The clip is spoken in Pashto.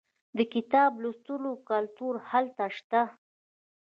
د کتاب لوستلو کلتور هلته شته.